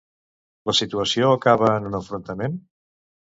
La situació acaba en un enfrontament?